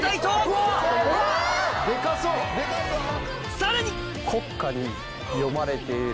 さらに！